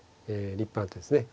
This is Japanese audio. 立派な手ですね。